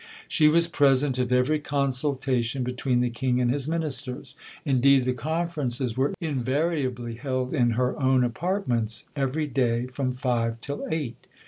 She was present at every consultation between the King and his Ministers indeed the conferences were invariably held in her own apartments, every day from five till eight.